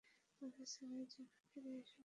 আমাদের ছেলের জন্য ফিরে এসো, প্লিজ।